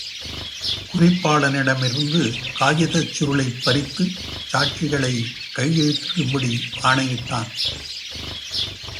குறிப்பாளனிடமிருந்து காகிதச் சுருளைப் பறித்துச் சாட்சிகளைக் கையெழுத்திடும்படி ஆணையிட்டான்.